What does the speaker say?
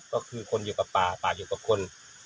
ก็คือคนอยู่กับป่าป่าอยู่กับคน